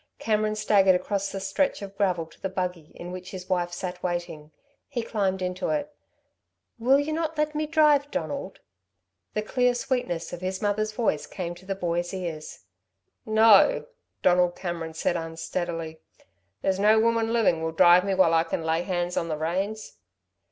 Cameron staggered across the stretch of gravel to the buggy in which his wife sat waiting. He climbed into it. "Will you not let me drive, Donald?" The clear sweetness of his mother's voice came to the boy's ears. "No," Donald Cameron said unsteadily. "There's no woman living will drive me while I can lay hands on the reins."